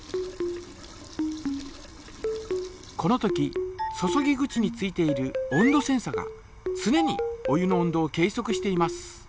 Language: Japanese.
このとき注ぎ口に付いている温度センサがつねにお湯の温度を計そくしています。